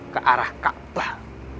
ke arah kaabah